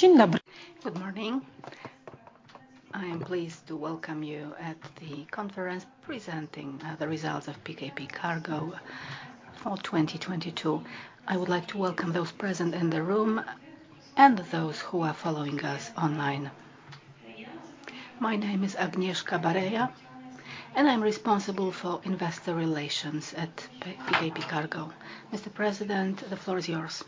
Dzien dobry. Good morning. I am pleased to welcome you at the conference presenting the results of PKP CARGO for 2022. I would like to welcome those present in the room and those who are following us online. My name is Agnieszka Bareja, and I'm responsible for investor relations at PKP CARGO. Mr. President, the floor is yours.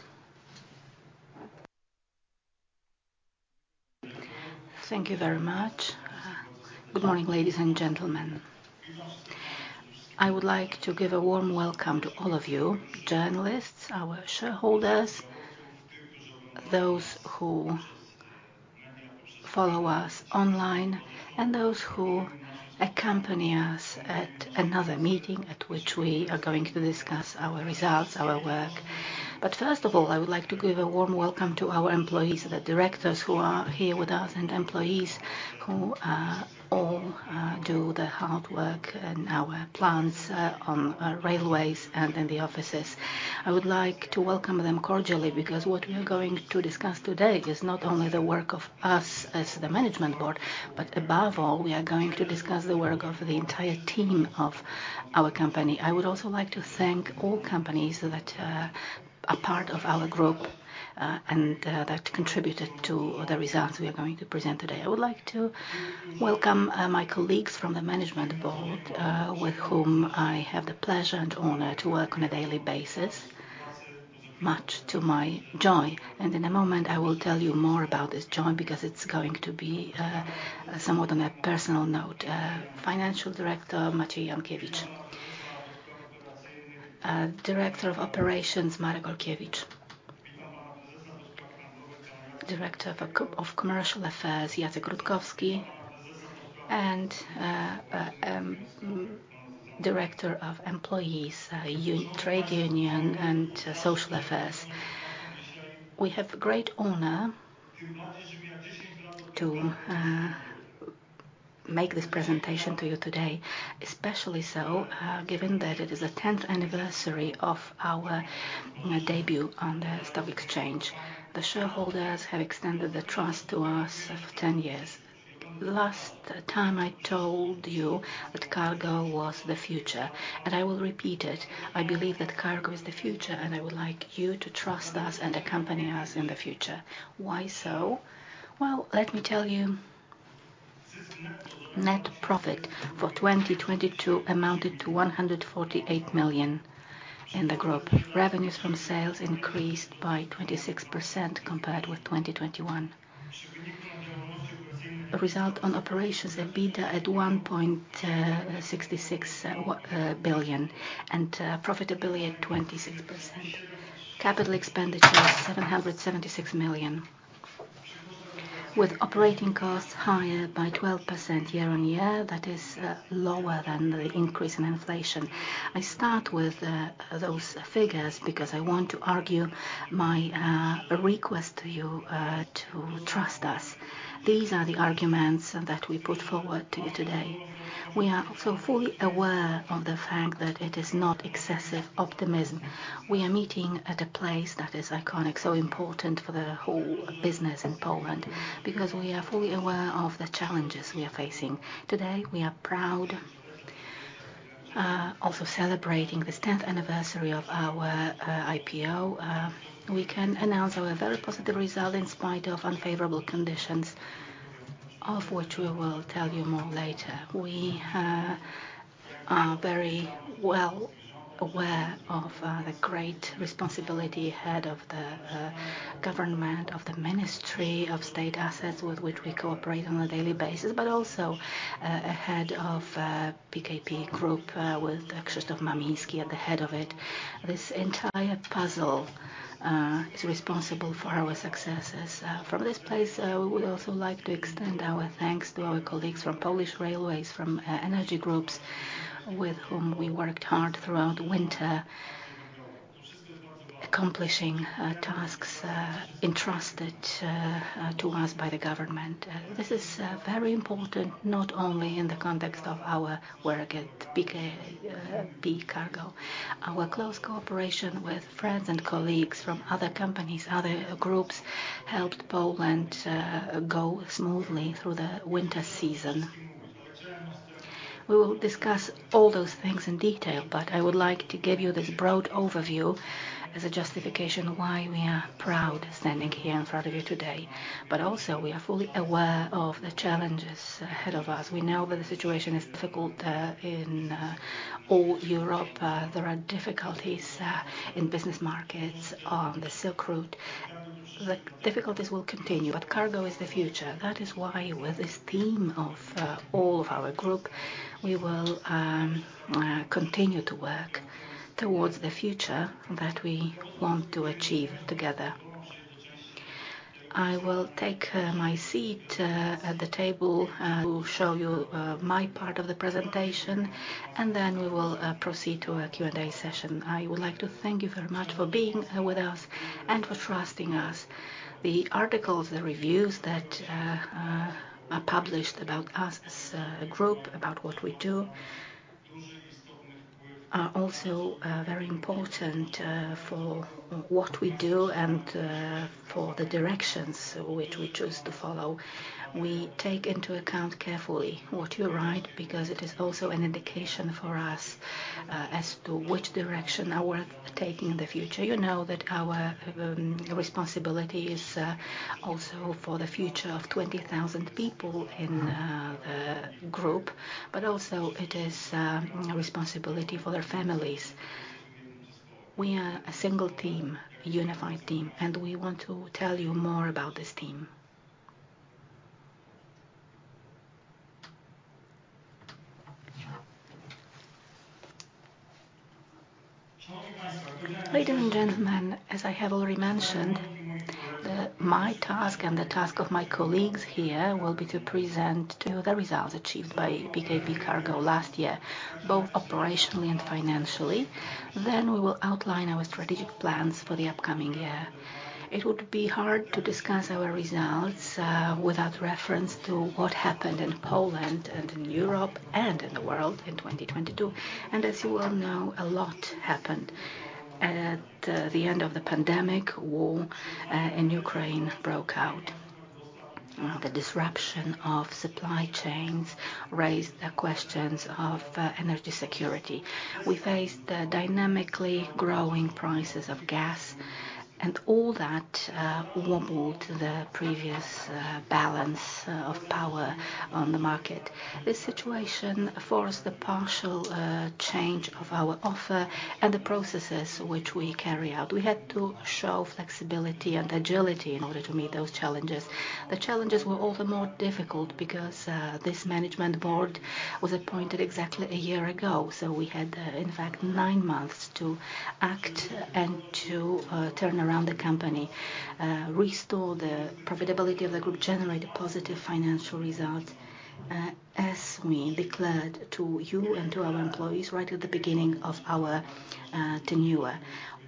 Thank you very much. Good morning, ladies and gentlemen. I would like to give a warm welcome to all of you journalists, our shareholders, those who follow us online and those who accompany us at another meeting at which we are going to discuss our results, our work. First of all, I would like to give a warm welcome to our employees, the directors who are here with us, and employees who all do the hard work in our plants, on railways and in the offices. I would like to welcome them cordially because what we are going to discuss today is not only the work of us as the Management Board, but above all, we are going to discuss the work of the entire team of our company. I would also like to thank all companies that are part of our Group and that contributed to the results we are going to present today. I would like to welcome my colleagues from the Management Board, with whom I have the pleasure and honor to work on a daily basis, much to my joy. In a moment, I will tell you more about this joy because it's going to be somewhat on a personal note. Financial Director, Maciej Jankiewicz. Director of Operations, Marek Olkiewicz. Director of Commercial Affairs, Jacek Rutkowski. Director of Employees, Trade Union and Social Affairs. We have great honor to make this presentation to you today, especially so, given that it is the 10th anniversary of our debut on the stock exchange. The shareholders have extended the trust to us for 10 years. Last time I told you that Cargo was the future, and I will repeat it. I believe that Cargo is the future, and I would like you to trust us and accompany us in the future. Why so? Well, let me tell you. Net profit for 2022 amounted to 148 million in the group. Revenues from sales increased by 26% compared with 2021. Result on operations, EBITDA at 1.66 billion and profitability at 26%. Capital expenditures, 776 million, with operating costs higher by 12% year-on-year. That is lower than the increase in inflation. I start with those figures because I want to argue my request to you to trust us. These are the arguments that we put forward to you today. We are also fully aware of the fact that it is not excessive optimism. We are meeting at a place that is iconic, so important for the whole business in Poland, because we are fully aware of the challenges we are facing. Today, we are proud, also celebrating this 10th anniversary of our IPO. We can announce our very positive result in spite of unfavorable conditions, of which we will tell you more later. We are very well aware of the great responsibility ahead of the government of the Ministry of State Assets with which we cooperate on a daily basis, but also ahead of PKP Group with Krzysztof Mamiński at the head of it. This entire puzzle is responsible for our successes. From this place, we would also like to extend our thanks to our colleagues from Polish Railways, from energy groups with whom we worked hard throughout the winter, accomplishing tasks entrusted to us by the government. This is very important not only in the context of our work at PKP CARGO. Our close cooperation with friends and colleagues from other companies, other groups, helped Poland go smoothly through the winter season. We will discuss all those things in detail, but I would like to give you this broad overview as a justification why we are proud standing here in front of you today. Also, we are fully aware of the challenges ahead of us. We know that the situation is difficult in all Europe. There are difficulties in business markets on the Silk Route. The difficulties will continue. Cargo is the future. That is why with this team of all of our group, we will continue to work towards the future that we want to achieve together. I will take my seat at the table. We'll show you my part of the presentation, and then we will proceed to a Q&A session. I would like to thank you very much for being with us and for trusting us. The articles, the reviews that are published about us as a group, about what we do are also very important for what we do and for the directions which we choose to follow. We take into account carefully what you write because it is also an indication for us as to which direction are worth taking in the future. You know that our responsibility is also for the future of 20,000 people in the group, but also it is a responsibility for their families. We are a single team, a unified team, and we want to tell you more about this team. Ladies and gentlemen, as I have already mentioned, my task and the task of my colleagues here will be to present to the results achieved by PKP CARGO last year, both operationally and financially. We will outline our strategic plans for the upcoming year. It would be hard to discuss our results without reference to what happened in Poland and in Europe and in the world in 2022. As you well know, a lot happened. At the end of the pandemic, war in Ukraine broke out. The disruption of supply chains raised the questions of energy security. We faced the dynamically growing prices of gas and all that wobbled the previous balance of power on the market. This situation forced the partial change of our offer and the processes which we carry out. We had to show flexibility and agility in order to meet those challenges. The challenges were all the more difficult because this management board was appointed exactly a year ago. We had in fact nine months to act and to turn around the company, restore the profitability of the group, generate a positive financial result, as we declared to you and to our employees right at the beginning of our tenure.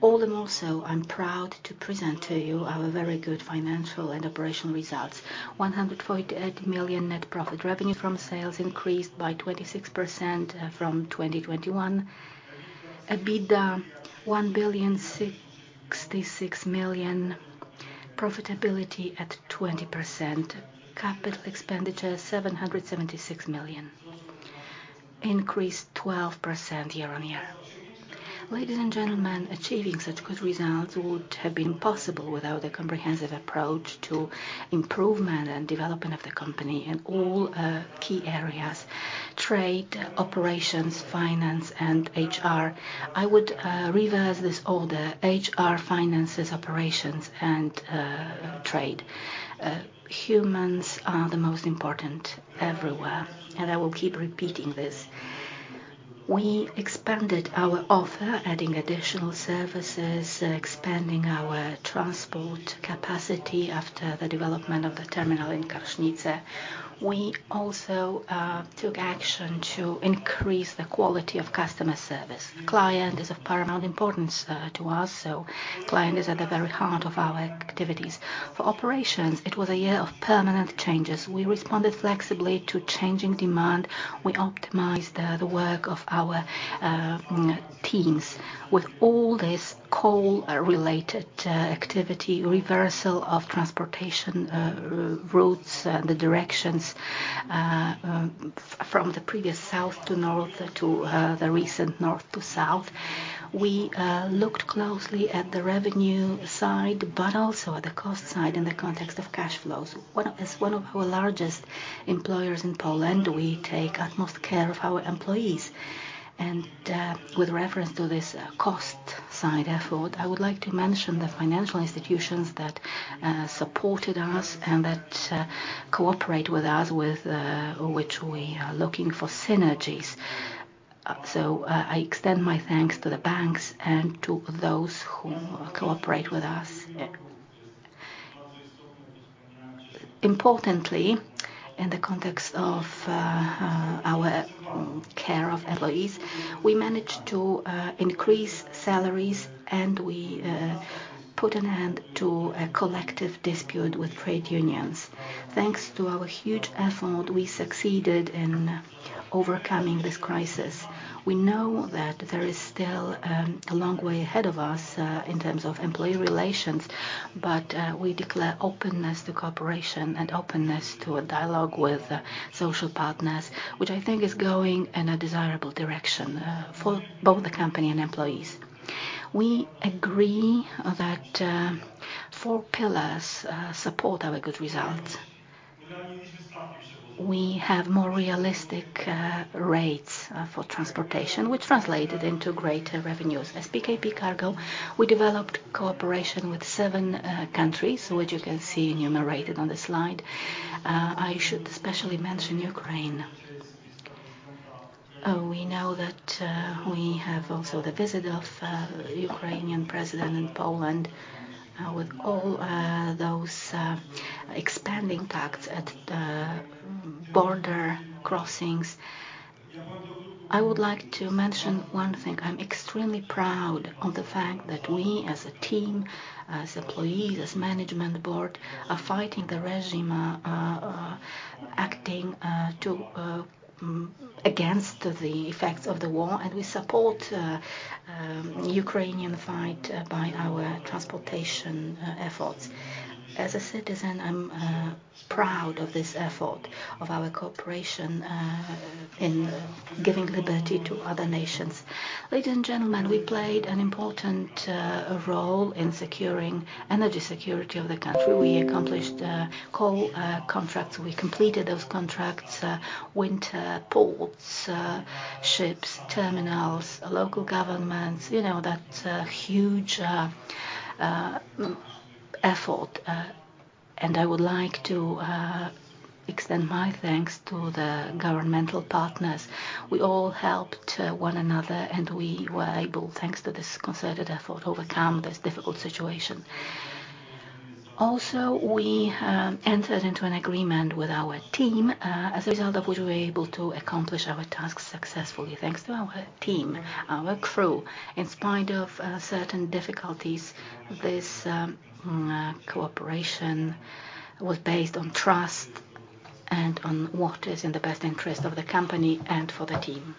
All the more so, I'm proud to present to you our very good financial and operational results. 100.8 million net profit. Revenue from sales increased by 26% from 2021. EBITDA, 1,066 million. Profitability at 20%. Capital expenditure, 776 million, increased 12% year-on-year. Ladies and gentlemen, achieving such good results would have been possible without a comprehensive approach to improvement and development of the company in all key areas, trade, operations, finance and HR. I would reverse this order. HR, finances, operations and trade. Humans are the most important everywhere, and I will keep repeating this. We expanded our offer, adding additional services, expanding our transport capacity after the development of the terminal in Karsznice. We also took action to increase the quality of customer service. Client is of paramount importance to us, so client is at the very heart of our activities. For operations, it was a year of permanent changes. We responded flexibly to changing demand. We optimized the work of our teams with all this coal-related activity, reversal of transportation routes, the directions from the previous south to north to the recent north to south. We looked closely at the revenue side, but also at the cost side in the context of cash flows. As one of our largest employers in Poland, we take utmost care of our employees. With reference to this cost side effort, I would like to mention the financial institutions that supported us and that cooperate with us with which we are looking for synergies. I extend my thanks to the banks and to those who cooperate with us. Importantly, in the context of our care of employees, we managed to increase salaries and we put an end to a collective dispute with trade unions. Thanks to our huge effort, we succeeded in overcoming this crisis. We know that there is still a long way ahead of us in terms of employee relations, but we declare openness to cooperation and openness to a dialogue with social partners, which I think is going in a desirable direction for both the company and employees. We agree that four pillars support our good results. We have more realistic rates for transportation, which translated into greater revenues. As PKP CARGO, we developed cooperation with seven countries, which you can see enumerated on the slide. I should especially mention Ukraine. We know that we have also the visit of Ukrainian president in Poland, with all those expanding packs at the border crossings. I would like to mention one thing. I'm extremely proud of the fact that we as a team, as employees, as management board, are fighting the regime. Acting to against the effects of the war, we support Ukrainian fight by our transportation efforts. As a citizen, I'm proud of this effort of our cooperation in giving liberty to other nations. Ladies and gentlemen, we played an important role in securing energy security of the country. We accomplished coal contracts. We completed those contracts, winter ports, ships, terminals, local governments, you know, that's a huge effort. I would like to extend my thanks to the governmental partners. We all helped one another, and we were able, thanks to this concerted effort, overcome this difficult situation. We entered into an agreement with our team, as a result of which we were able to accomplish our tasks successfully thanks to our team, our crew. In spite of certain difficulties, this cooperation was based on trust and on what is in the best interest of the company and for the team.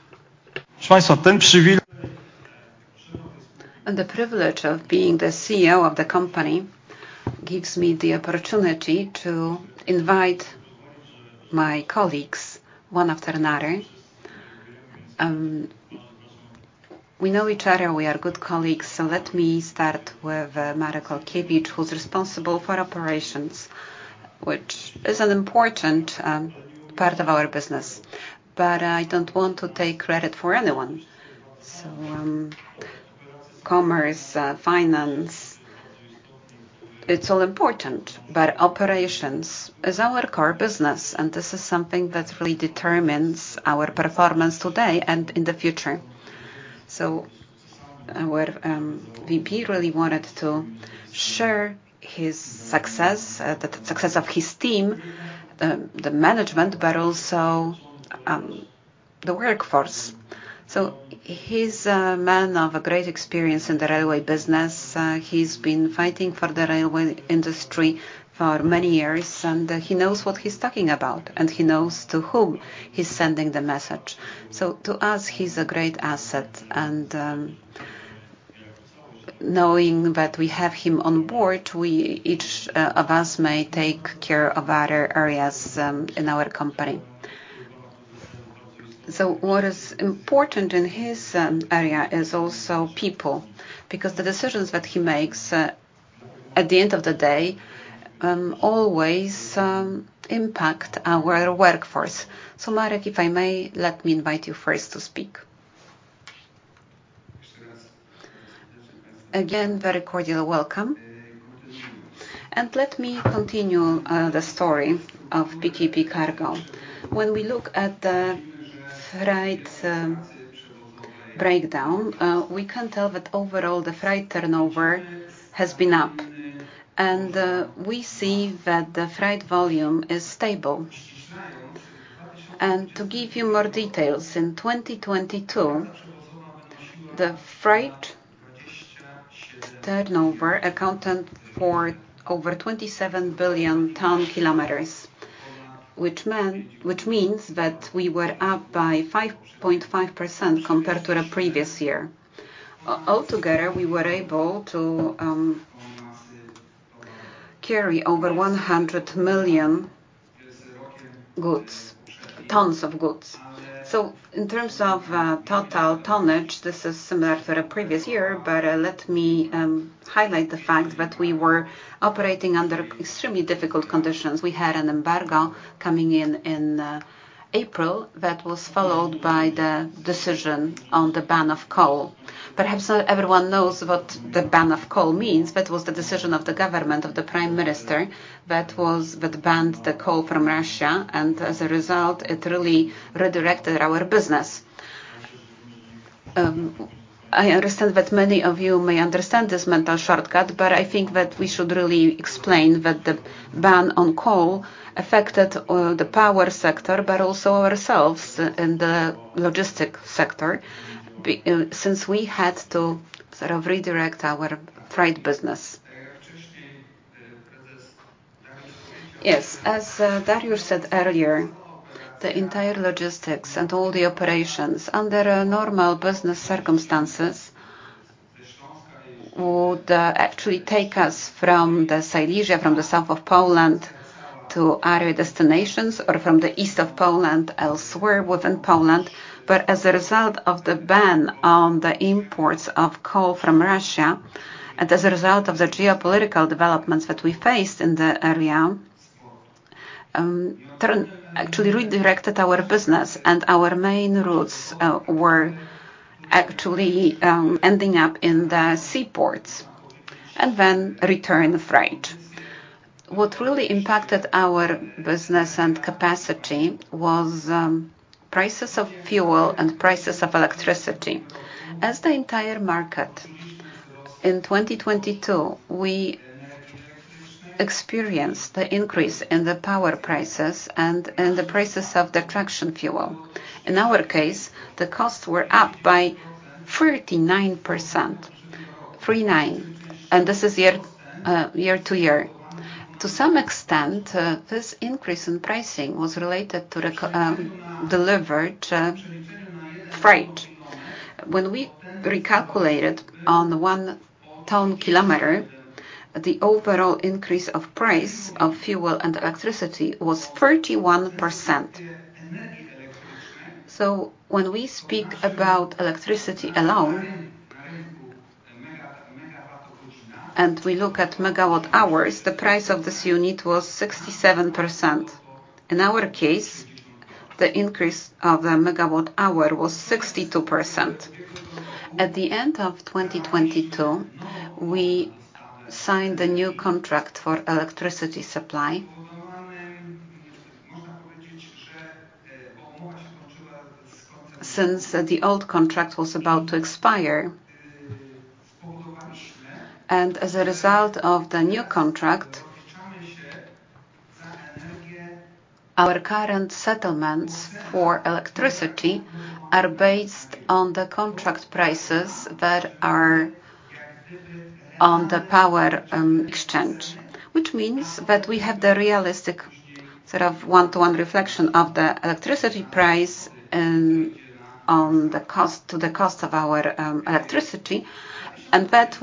The privilege of being the CEO of the company gives me the opportunity to invite my colleagues one after another. We know each other. We are good colleagues. Let me start with Marek Olkiewicz, who's responsible for operations, which is an important part of our business. I don't want to take credit for anyone. Commerce, finance, it's all important, but operations is our core business, and this is something that really determines our performance today and in the future. Our VP really wanted to share his success, the success of his team, the management, but also the workforce. He's a man of a great experience in the railway business. He's been fighting for the railway industry for many years, and he knows what he's talking about, and he knows to whom he's sending the message. To us, he's a great asset, and knowing that we have him on board, we each of us may take care of other areas in our company. What is important in his area is also people because the decisions that he makes at the end of the day always impact our workforce. Marek, if I may, let me invite you first to speak. Again, very cordial welcome. Let me continue the story of PKP CARGO. When we look at the freight breakdown, we can tell that overall the freight turnover has been up. We see that the freight volume is stable. To give you more details, in 2022, the freight turnover accounted for over 27 billion ton kilometers, which means that we were up by 5.5% compared to the previous year. Altogether, we were able to carry over 100 million goods, tons of goods. In terms of total tonnage, this is similar for the previous year. Let me highlight the fact that we were operating under extremely difficult conditions. We had an embargo coming in in April that was followed by the decision on the ban on coal. Perhaps not everyone knows what the ban on coal means. That was the decision of the government, of the prime minister that was... that banned the coal from Russia. As a result, it really redirected our business. I understand that many of you may understand this mental shortcut, but I think that we should really explain that the ban on coal affected the power sector, but also ourselves in the logistic sector since we had to sort of redirect our freight business. Yes. As Dariusz said earlier, the entire logistics and all the operations under normal business circumstances would actually take us from the Silesia, from the south of Poland to our destinations or from the east of Poland elsewhere within Poland. As a result of the ban on the imports of coal from Russia, and as a result of the geopolitical developments that we faced in the area, actually redirected our business and our main routes were actually ending up in the seaports and then return freight. What really impacted our business and capacity was prices of fuel and prices of electricity. As the entire market, in 2022, we experienced the increase in the power prices and in the prices of the traction fuel. In our case, the costs were up by 39%, and this is year-to-year. To some extent, this increase in pricing was related to the delivered freight. When we recalculated on the one ton kilometer, the overall increase of price of fuel and electricity was 31%. When we speak about electricity alone and we look at megawatt hours, the price of this unit was 67%. In our case, the increase of the megawatt hour was 62%. At the end of 2022, we signed a new contract for electricity supply since the old contract was about to expire. As a result of the new contract, our current settlements for electricity are based on the contract prices that are on the power exchange. Which means that we have the realistic sort of 1-to-1 reflection of the electricity price and on the cost, to the cost of our electricity, and that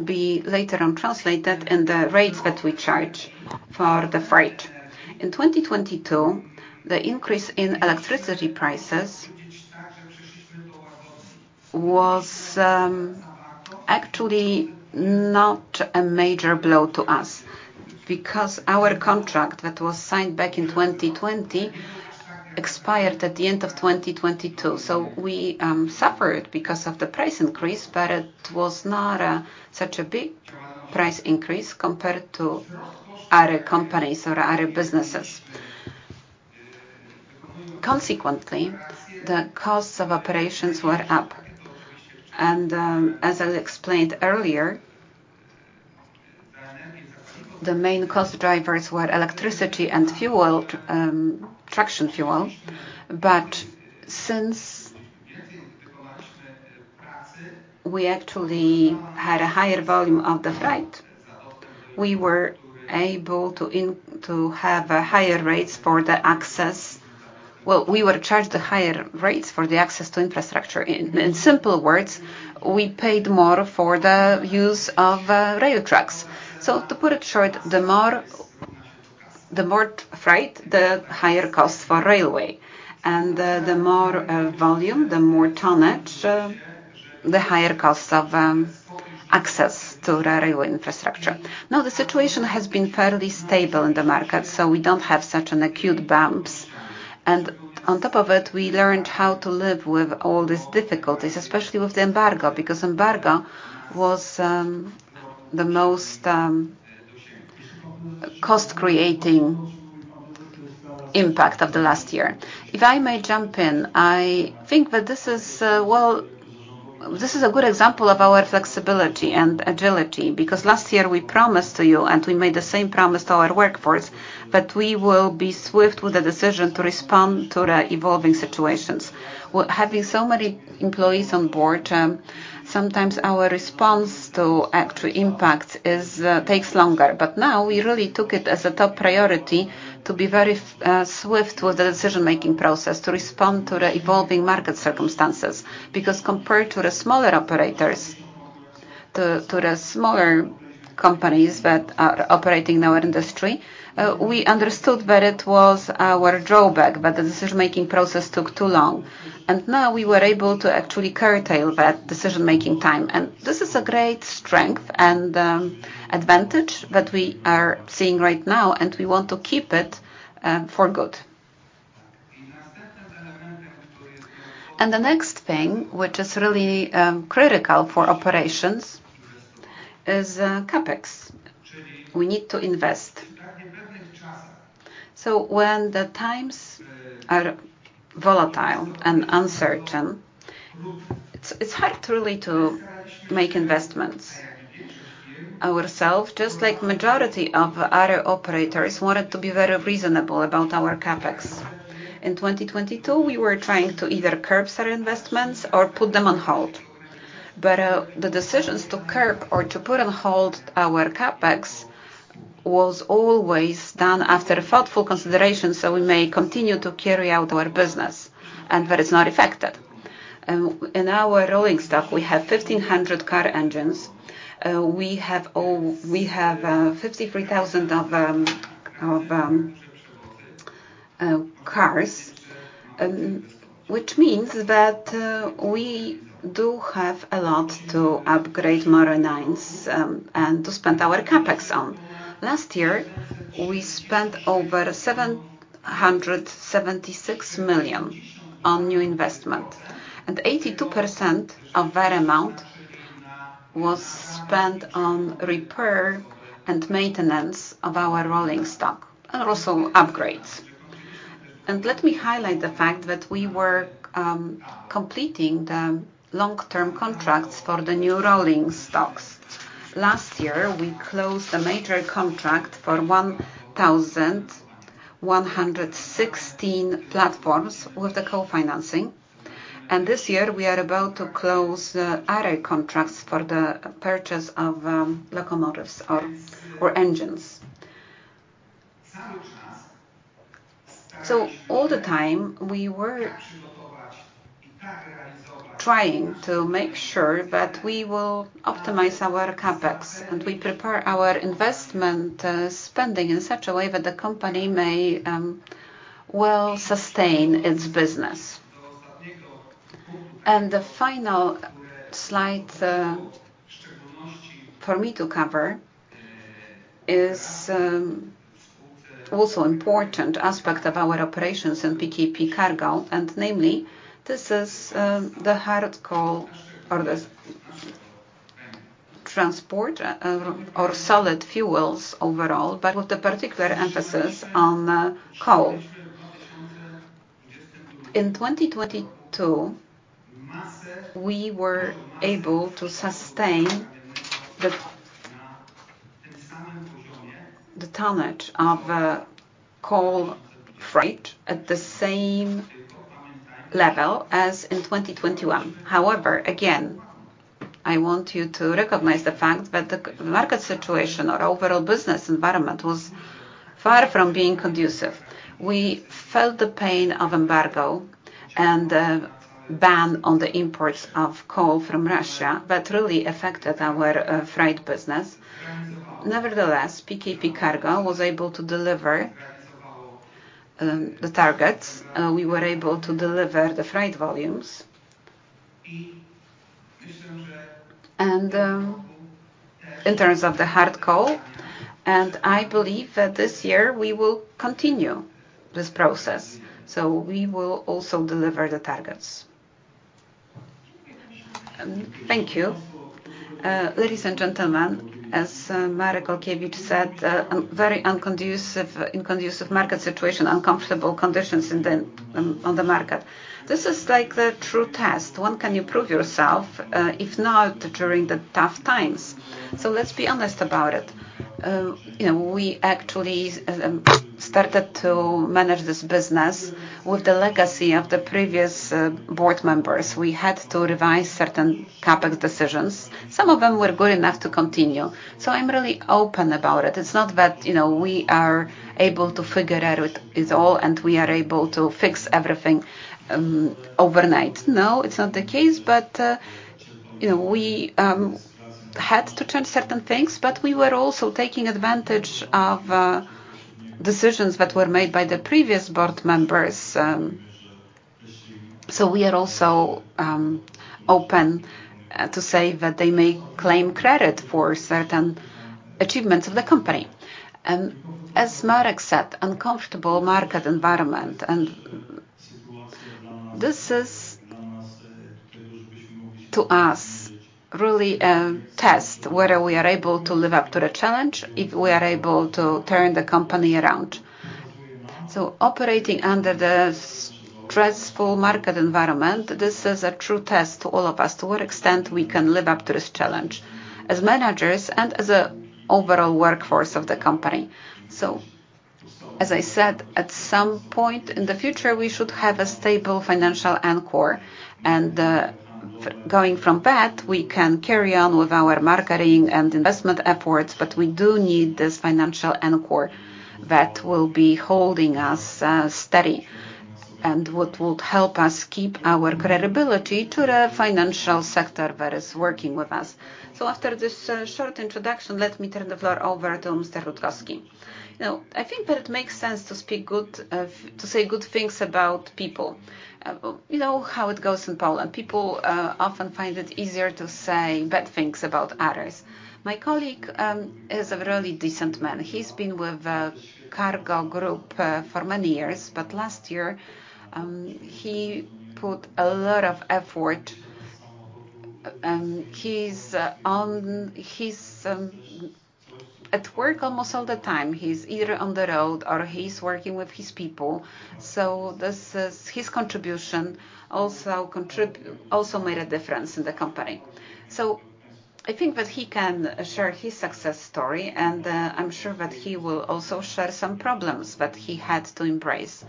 will be later on translated in the rates that we charge for the freight. In 2022, the increase in electricity prices was actually not a major blow to us because our contract that was signed back in 2020 expired at the end of 2022. We suffered because of the price increase, but it was not such a big price increase compared to other companies or other businesses. Consequently, the costs of operations were up and as I explained earlier, the main cost drivers were electricity and fuel, traction fuel. Since we actually had a higher volume of the freight, we were able to to have a higher rates for the access. Well, we were charged the higher rates for the access to infrastructure. In simple words, we paid more for the use of rail tracks. To put it short, the more freight, the higher cost for railway. The, the more volume, the more tonnage, the higher cost of access to railway infrastructure. The situation has been fairly stable in the market, so we don't have such an acute bumps. On top of it, we learned how to live with all these difficulties, especially with the embargo, because embargo was the most cost creating impact of the last year. If I may jump in, I think that this is, well, this is a good example of our flexibility and agility because last year we promised to you and we made the same promise to our workforce that we will be swift with the decision to respond to the evolving situations. Having so many employees on board, sometimes our response to actual impact is, takes longer. Now we really took it as a top priority to be very swift with the decision-making process to respond to the evolving market circumstances because compared to the smaller operators, to the smaller companies that are operating in our industry, we understood that it was our drawback, that the decision-making process took too long. Now we were able to actually curtail that decision-making time. This is a great strength and advantage that we are seeing right now and we want to keep it for good. The next thing which is really critical for operations is Capex. We need to invest. When the times are volatile and uncertain, it's hard to really to make investments ourself just like majority of other operators wanted to be very reasonable about our Capex. In 2022, we were trying to either curb certain investments or put them on hold. The decisions to curb or to put on hold our Capex was always done after thoughtful consideration so we may continue to carry out our business and that it's not affected. In our rolling stock we have 1,500 car engines. We have 53,000 of cars, which means that we do have a lot to upgrade, modernize, and to spend our Capex on. Last year we spent over 776 million on new investment and 82% of that amount was spent on repair and maintenance of our rolling stock and also upgrades. Let me highlight the fact that we were completing the long-term contracts for the new rolling stocks. Last year, we closed a major contract for 1,116 platforms with the co-financing. This year we are about to close other contracts for the purchase of locomotives or engines. All the time we were trying to make sure that we will optimize our Capex, and we prepare our investment spending in such a way that the company may well sustain its business. The final slide for me to cover is also important aspect of our operations in PKP CARGO, and namely this is the hard coal or the transport or solid fuels overall, but with a particular emphasis on coal. In 2022, we were able to sustain the tonnage of coal freight at the same level as in 2021. However, again, I want you to recognize the fact that the c-market situation or overall business environment was far from being conducive. We felt the pain of embargo and ban on the imports of coal from Russia that really affected our freight business. Nevertheless, PKP CARGO was able to deliver the targets. We were able to deliver the freight volumes. In terms of the hard coal, I believe that this year we will continue this process, we will also deliver the targets. Thank you. Ladies and gentlemen, as Marek Olkiewicz said, very unconducive market situation, uncomfortable conditions in the on the market. This is like the true test. When can you prove yourself if not during the tough times? Let's be honest about it. you know, we actually started to manage this business with the legacy of the previous board members. We had to revise certain Capex decisions. Some of them were good enough to continue. I'm really open about it. It's not that, you know, we are able to figure it out it all and we are able to fix everything overnight. No, it's not the case. you know, we had to change certain things, but we were also taking advantage of decisions that were made by the previous board members. We are also open to say that they may claim credit for certain achievements of the company. As Marek said, uncomfortable market environment. This is, to us, really a test whether we are able to live up to the challenge, if we are able to turn the company around. Operating under the stressful market environment, this is a true test to all of us to what extent we can live up to this challenge, as managers and as a overall workforce of the company. As I said, at some point in the future, we should have a stable financial anchor. Going from that, we can carry on with our marketing and investment efforts, but we do need this financial anchor that will be holding us steady and what would help us keep our credibility to the financial sector that is working with us. After this short introduction, let me turn the floor over to Mr. Rutkowski. I think that it makes sense to speak good to say good things about people. You know how it goes in Poland. People often find it easier to say bad things about others. My colleague is a really decent man. He's been with Cargo Group for many years. Last year he put a lot of effort. He's at work almost all the time. He's either on the road or he's working with his people. This is his contribution also made a difference in the company. I think that he can share his success story, and I'm sure that he will also share some problems that he had to embrace.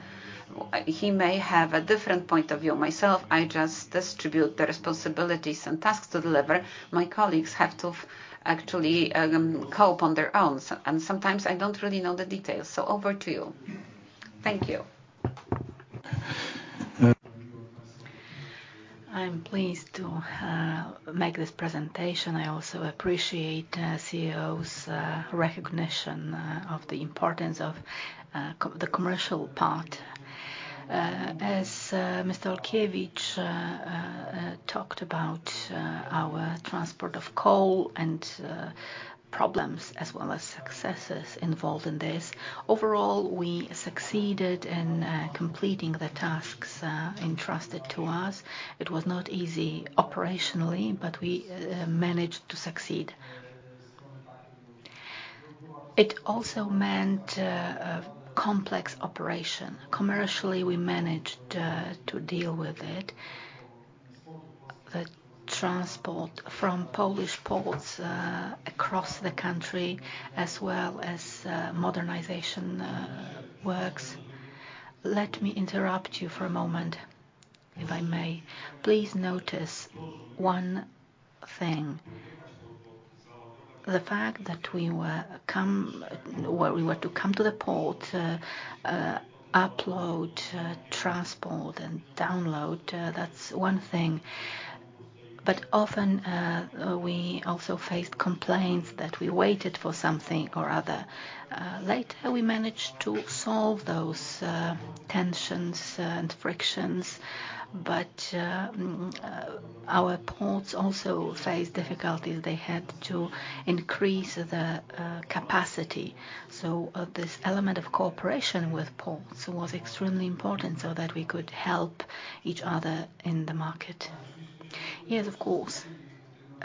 He may have a different point of view. Myself, I just distribute the responsibilities and tasks to deliver. My colleagues have to actually cope on their own. Sometimes I don't really know the details. Over to you. Thank you. I'm pleased to make this presentation. I also appreciate CEO's recognition of the importance of the commercial part. As Mr. Olkiewicz talked about, our transport of coal and problems as well as successes involved in this, overall, we succeeded in completing the tasks entrusted to us. It was not easy operationally, but we managed to succeed. It also meant a complex operation. Commercially, we managed to deal with it. The transport from Polish ports across the country, as well as modernization works. Let me interrupt you for a moment, if I may. Please notice one thing. The fact that we were to come to the port, upload, transport, and download, that's one thing. Often, we also faced complaints that we waited for something or other. Later, we managed to solve those tensions and frictions, but our ports also faced difficulties. They had to increase the capacity. This element of cooperation with ports was extremely important so that we could help each other in the market. Yes, of course.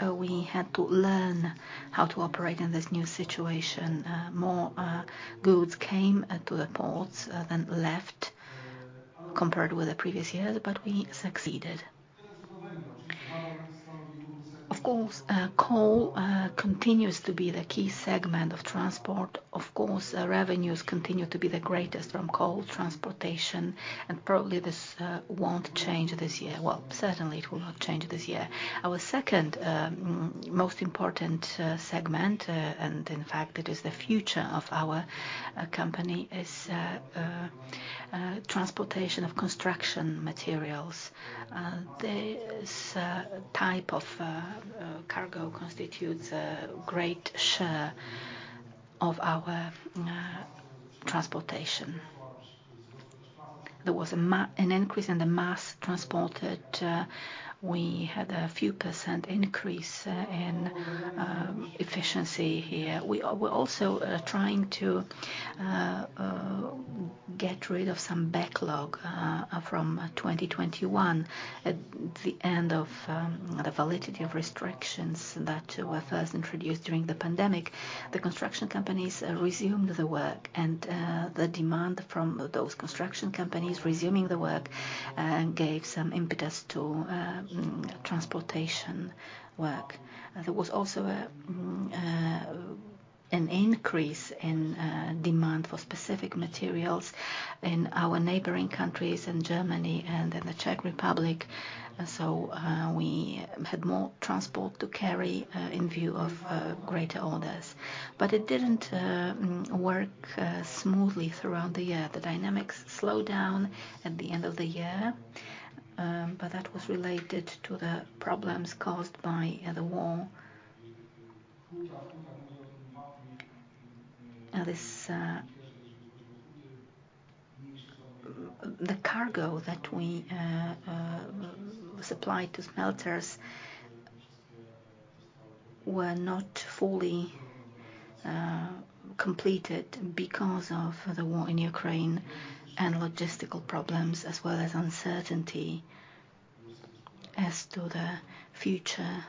We had to learn how to operate in this new situation. More goods came to the ports than left compared with the previous years. We succeeded. Of course, coal continues to be the key segment of transport. Of course, revenues continue to be the greatest from coal transportation, and probably this won't change this year. Well, certainly it will not change this year. Our second most important segment, and in fact it is the future of our company, is transportation of construction materials. This type of Cargo constitutes a great share of our transportation. There was an increase in the mass transported. We had a few % increase in efficiency here. We're also trying to get rid of some backlog from 2021. At the end of the validity of restrictions that were first introduced during the pandemic, the construction companies resumed the work. The demand from those construction companies resuming the work gave some impetus to transportation work. There was also an increase in demand for specific materials in our neighboring countries, in Germany and in the Czech Republic. We had more transport to carry in view of greater orders. It didn't work smoothly throughout the year. The dynamics slowed down at the end of the year, but that was related to the problems caused by the war. The Cargo that we supplied to smelters were not fully completed because of the war in Ukraine and logistical problems, as well as uncertainty as to the future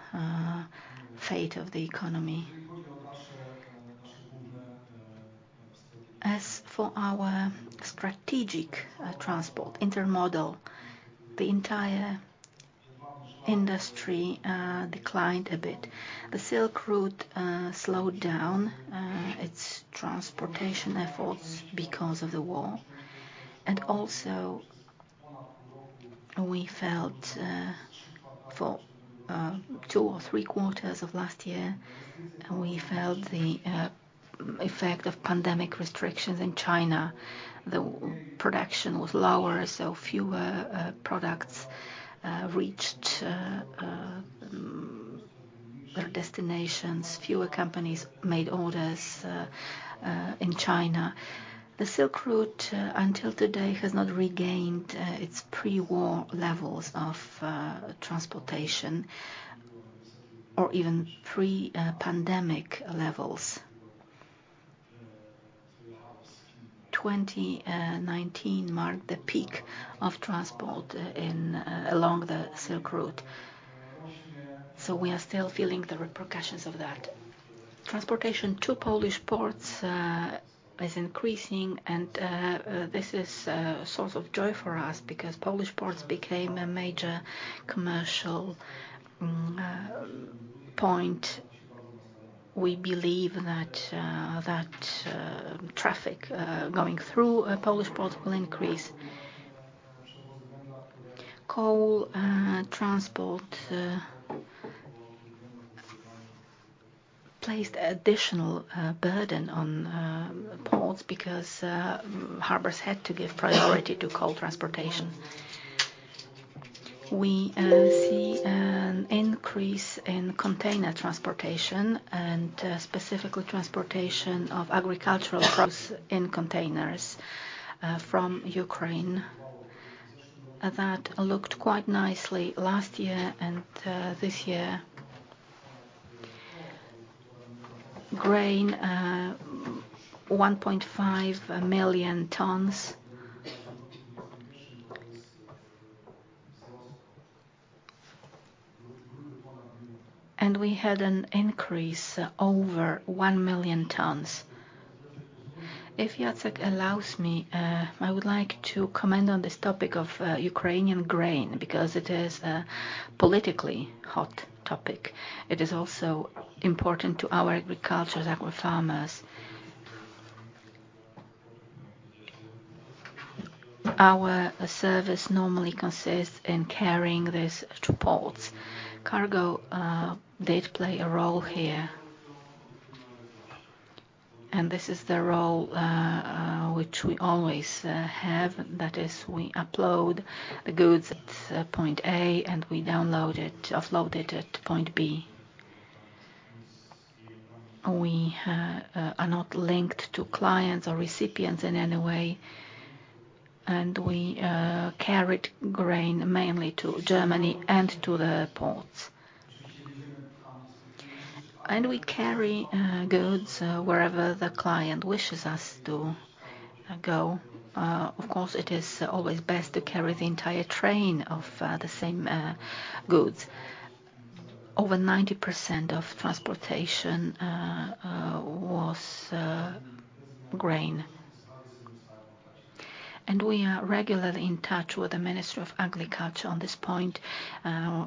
fate of the economy. As for our strategic transport intermodal, the entire industry declined a bit. The Silk Route slowed down its transportation efforts because of the war. Also, we felt for two or Q3 of last year, we felt the effect of pandemic restrictions in China. The production was lower, so fewer products reached their destinations. Fewer companies made orders in China. The Silk Route until today has not regained its pre-war levels of transportation or even pre-pandemic levels. 2019 marked the peak of transport in along the Silk Route. We are still feeling the repercussions of that. Transportation to Polish ports is increasing, and this is a source of joy for us because Polish ports became a major commercial point. We believe that traffic going through a Polish port will increase. Coal transport placed additional burden on ports because harbors had to give priority to coal transportation. We see an increase in container transportation and specifically transportation of agricultural crops in containers from Ukraine. That looked quite nicely last year and this year. Grain 1.5 million tons. We had an increase over 1 million tons. If Jacek allows me, I would like to comment on this topic of Ukrainian grain because it is a politically hot topic. It is also important to our agricultures, our farmers. Our service normally consists in carrying this to ports. Cargo did play a role here. This is the role which we always have. That is we upload the goods at point A, and we download it, offload it at point B. We are not linked to clients or recipients in any way. We carried grain mainly to Germany and to the ports. We carry goods wherever the client wishes us to go. Of course, it is always best to carry the entire train of the same goods. Over 90% of transportation was grain. We are regularly in touch with the Ministry of Agriculture on this point,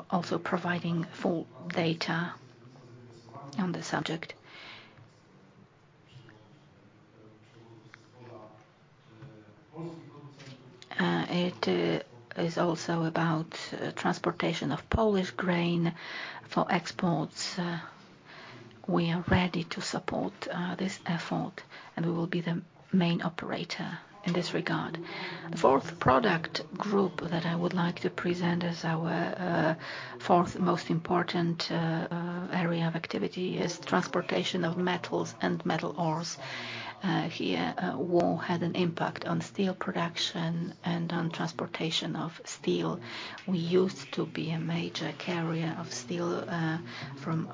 also providing full data on the subject. It is also about transportation of Polish grain for exports. We are ready to support this effort, and we will be the main operator in this regard. The fourth product group that I would like to present as our fourth most important area of activity is transportation of metals and metal ores. Here, war had an impact on steel production and on transportation of steel. We used to be a major carrier of steel, from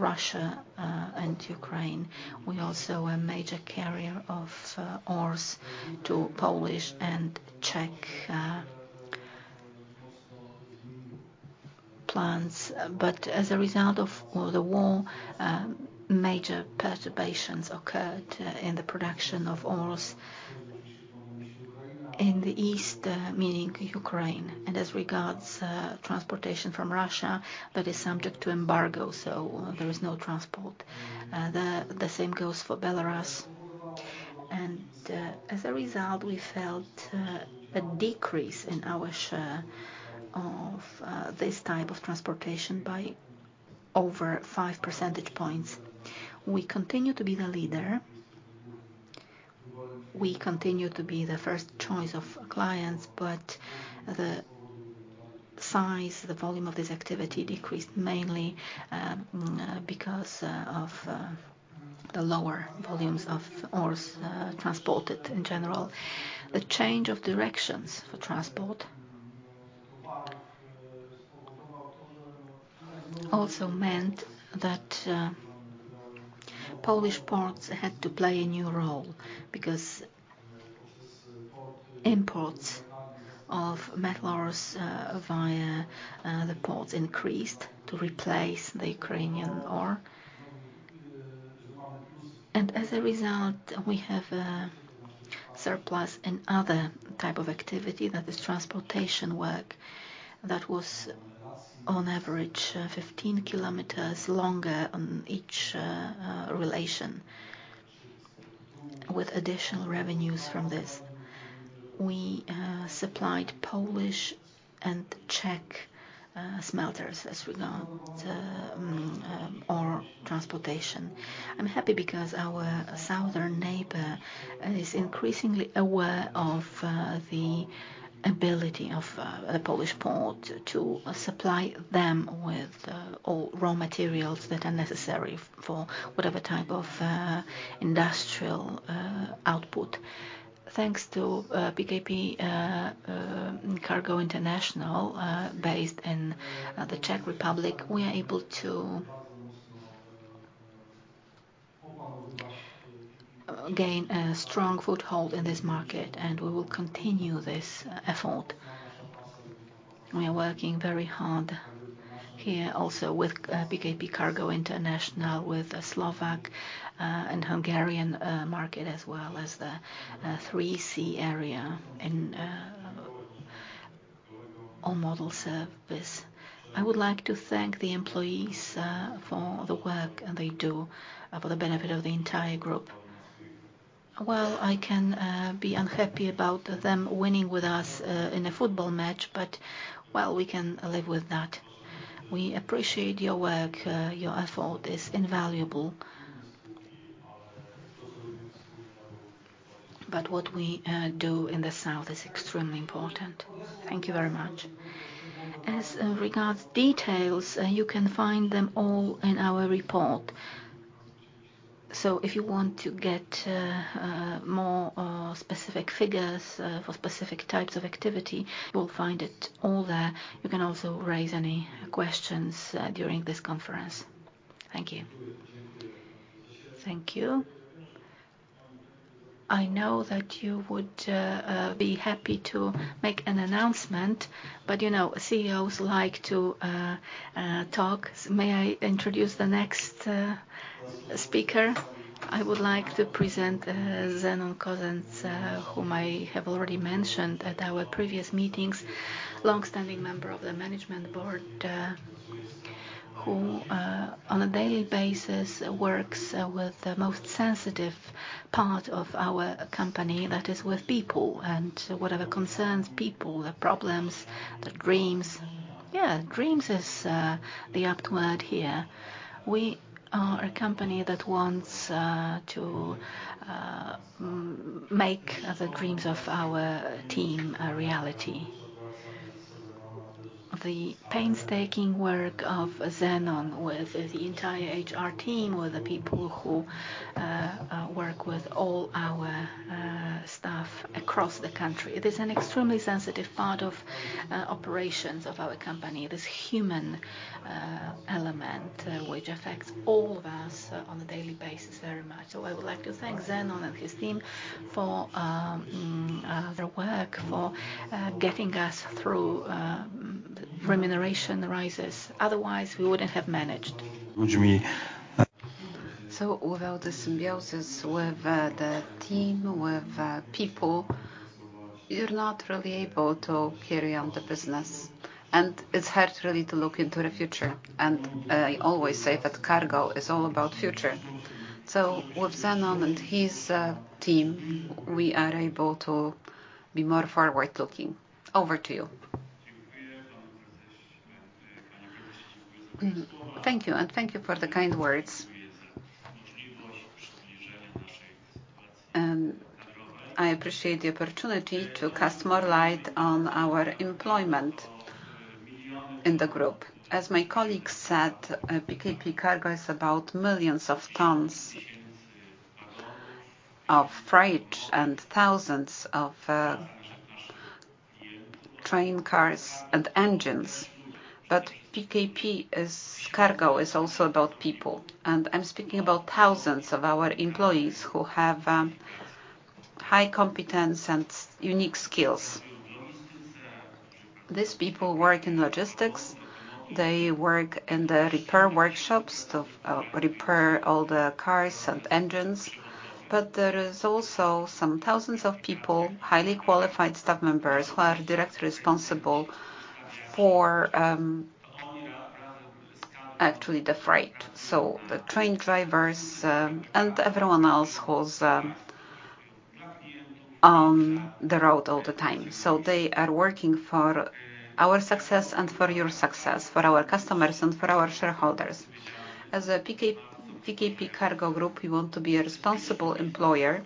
Russia, and Ukraine. We're also a major carrier of ores to Polish and Czech plants. As a result of the war, major perturbations occurred in the production of ores in the east, meaning Ukraine. As regards transportation from Russia, that is subject to embargo, so there is no transport. The same goes for Belarus. As a result, we felt a decrease in our share of this type of transportation by over 5% points. We continue to be the leader. We continue to be the first choice of clients, but the size, the volume of this activity decreased mainly because of the lower volumes of ores transported in general. The change of directions for transport also meant that Polish ports had to play a new role because imports of metal ores via the ports increased to replace the Ukrainian ore. As a result, we have a surplus in other type of activity. That is transportation work that was on average 15 kilometers longer on each relation with additional revenues from this. We supplied Polish and Czech smelters as regard ore transportation. I'm happy because our southern neighbor is increasingly aware of the ability of the Polish port to supply them with all raw materials that are necessary for whatever type of industrial output. Thanks to PKP CARGO INTERNATIONAL, based in the Czech Republic, we are able to gain a strong foothold in this market. We will continue this effort. We are working very hard here also with PKP CARGO INTERNATIONAL, with the Slovak and Hungarian market as well as the Three Seas area in our model service. I would like to thank the employees for the work they do for the benefit of the entire group. Well, I can be unhappy about them winning with us in a football match, but well, we can live with that. We appreciate your work. invaluable. But what we do in the south is extremely important. Thank you very much. As regards details, you can find them all in our report. So if you want to get more specific figures for specific types of activity, you will find it all there. You can also raise any questions during this conference. Thank you. Thank you. I know that you would be happy to make an announcement, but you know, CEOs like to talk. May I introduce the next speaker? I would like to present Zenon Kozendra, whom I have already mentioned at our previous meetings. Long-standing member of the management board, who on a daily basis works with the most sensitive part of our company, that is with people, and whatever concerns people, their problems, their dreams. Yeah, dreams is the apt word here. We are a company that wants to make the dreams of our team a reality. The painstaking work of Zenon with the entire HR team, with the people who work with all our staff across the country. It is an extremely sensitive part of operations of our company. There's human element which affects all of us on a daily basis very much. I would like to thank Zenon and his team for their work, for getting us through the remuneration rises. Otherwise we wouldn't have managed. Without the symbiosis with the team, with people, you're not really able to carry on the business, and it's hard really to look into the future. I always say that Cargo is all about future. With Zenon and his team, we are able to be more forward-looking. Over to you. Thank you, and thank you for the kind words. I appreciate the opportunity to cast more light on our employment in the group. As my colleague said, PKP CARGO is about millions of tons of freight and thousands of train cars and engines. PKP CARGO is also about people, and I'm speaking about thousands of our employees who have high competence and unique skills. These people work in logistics. They work in the repair workshops to repair all the cars and engines. There is also some thousands of people, highly qualified staff members who are direct responsible for actually the freight, so the train drivers, and everyone else who's on the road all the time. They are working for our success and for your success, for our customers and for our shareholders. As a PKP CARGO Group, we want to be a responsible employer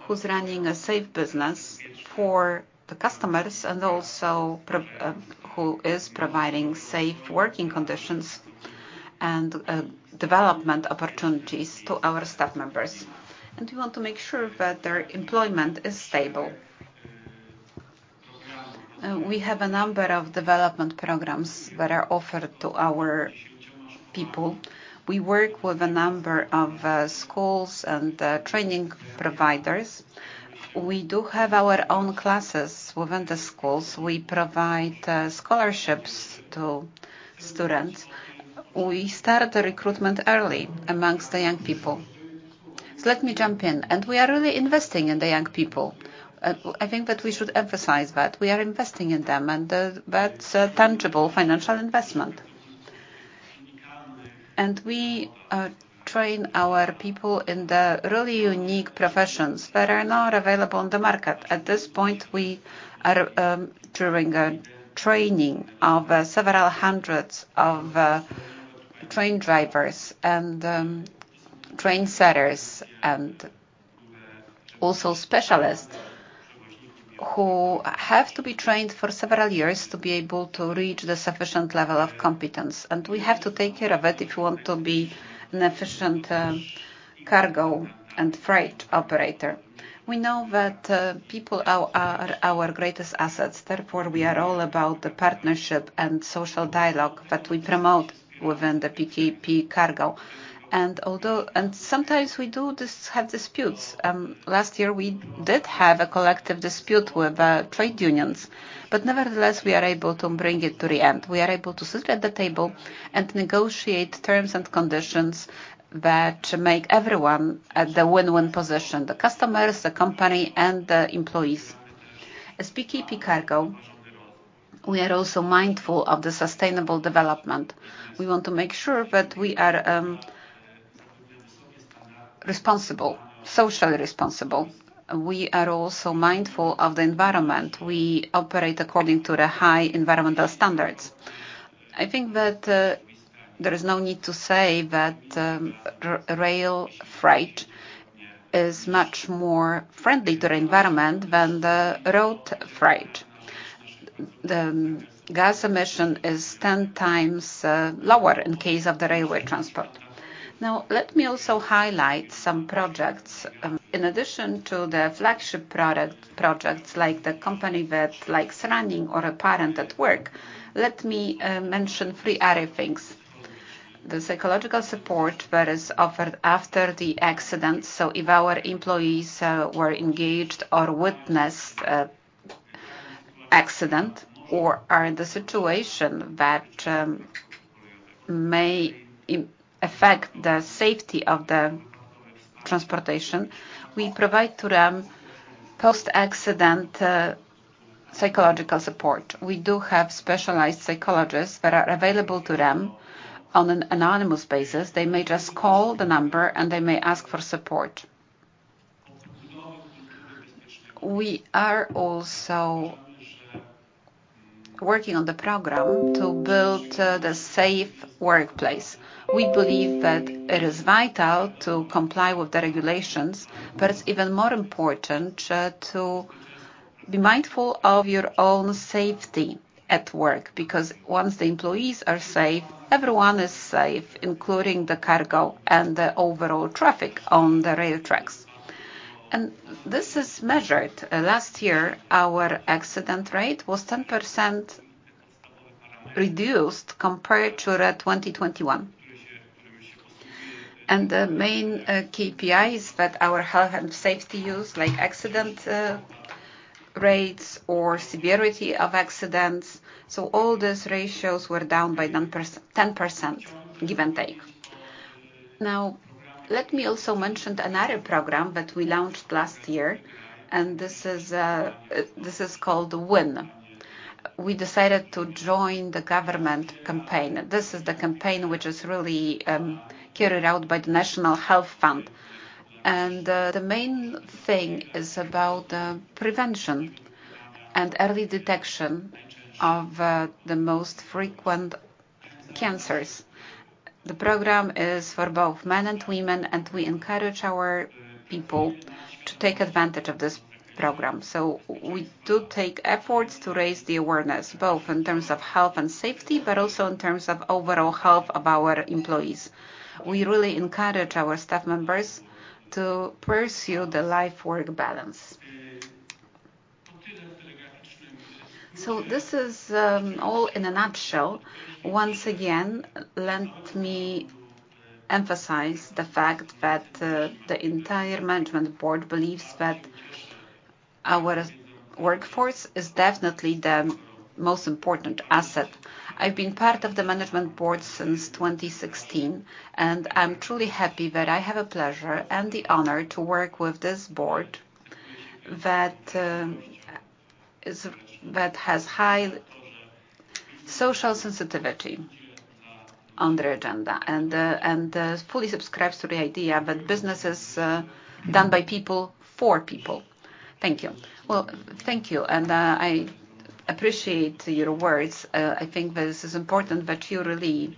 who's running a safe business for the customers and also who is providing safe working conditions and development opportunities to our staff members. We want to make sure that their employment is stable. We have a number of development programs that are offered to our people. We work with a number of schools and training providers. We do have our own classes within the schools. We provide scholarships to students. We start the recruitment early amongst the young people. Let me jump in. We are really investing in the young people. I think that we should emphasize that we are investing in them and that's a tangible financial investment. We train our people in the really unique professions that are not available on the market. At this point we are during a training of several hundreds of train drivers and train setters and also specialists who have to be trained for several years to be able to reach the sufficient level of competence. We have to take care of it if we want to be an efficient Cargo and freight operator. We know that people are our greatest assets, therefore we are all about the partnership and social dialogue that we promote within the PKP CARGO. Although sometimes we do have disputes, last year we did have a collective dispute with trade unions, but nevertheless we are able to bring it to the end. We are able to sit at the table and negotiate terms and conditions that make everyone at the win-win position, the customers, the company, and the employees. As PKP CARGO, we are also mindful of the sustainable development. We want to make sure that we are responsible, socially responsible. We are also mindful of the environment. We operate according to the high environmental standards. I think that there is no need to say that rail freight is much more friendly to the environment than the road freight. The gas emission is 10 times lower in case of the railway transport. Let me also highlight some projects. In addition to the flagship product, projects like the company that likes running or a parent at work, let me mention three other things. The psychological support that is offered after the accident, so if our employees were engaged or witnessed a accident or are in the situation that may affect the safety of the transportation, we provide to them post-accident psychological support. We do have specialized psychologists that are available to them on an anonymous basis. They may just call the number, and they may ask for support. We are also working on the program to build the safe workplace. We believe that it is vital to comply with the regulations, but it's even more important to be mindful of your own safety at work, because once the employees are safe, everyone is safe, including the Cargo and the overall traffic on the rail tracks. This is measured. Last year, our accident rate was 10% reduced compared to 2021. The main KPI is that our health and safety use, like accident, rates or severity of accidents. All those ratios were down by 10%, give and take. Now, let me also mention another program that we launched last year, and this is called WIN. We decided to join the government campaign. This is the campaign which is really carried out by the National Health Fund. The main thing is about prevention and early detection of the most frequent cancers. The program is for both men and women, and we encourage our people to take advantage of this program. We do take efforts to raise the awareness, both in terms of health and safety, but also in terms of overall health of our employees. We really encourage our staff members to pursue the life/work balance. This is all in a nutshell. Once again, let me emphasize the fact that the entire management board believes that our workforce is definitely the most important asset. I've been part of the management board since 2016, and I'm truly happy that I have a pleasure and the honor to work with this board that has high social sensitivity on their agenda and fully subscribes to the idea that business is done by people for people. Thank you. Well, thank you, and I appreciate your words. I think this is important that you really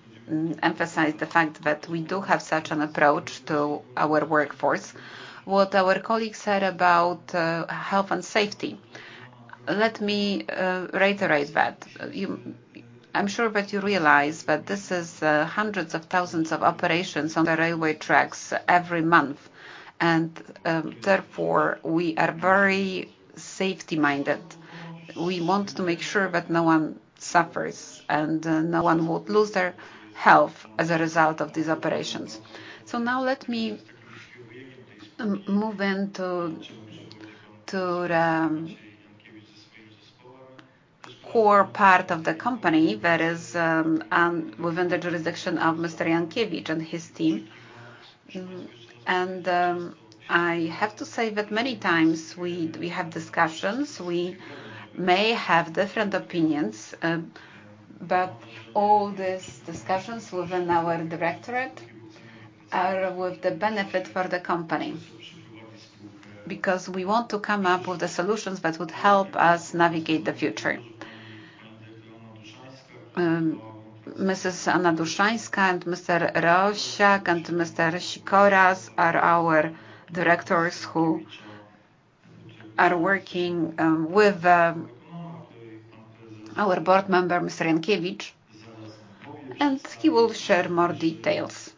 emphasize the fact that we do have such an approach to our workforce. What our colleague said about health and safety, let me reiterate that. I'm sure that you realize that this is hundreds of thousands of operations on the railway tracks every month, and therefore, we are very safety-minded. We want to make sure that no one suffers and no one would lose their health as a result of these operations. Now let me move into to core part of the company that is within the jurisdiction of Mr. Jankiewicz and his team. I have to say that many times we have discussions. We may have different opinions, but all these discussions within our directorate are with the benefit for the company because we want to come up with the solutions that would help us navigate the future. Mrs. Dushainska and Mr. Rosiak and Mr. Sikora are our directors who are working with our board member, Mr. Jankiewicz, and he will share more details.